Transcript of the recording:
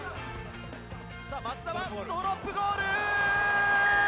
さあ松田は、ドロップゴール。